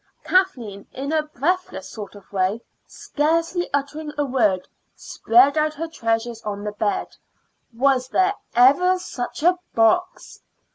Kathleen in a breathless sort of way, scarcely uttering a word, spread out her treasures on the bed. Was there ever such a box?